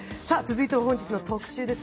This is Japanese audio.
続いては本日の特集です。